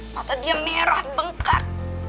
mata dia merah bengkak